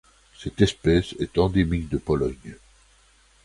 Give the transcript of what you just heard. Cette espèce est endémique de Pologne.